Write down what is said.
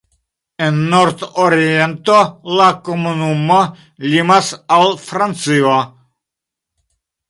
En nordoriento la komunumo limas al Francio.